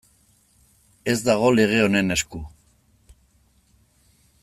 Ez dago lege honen esku.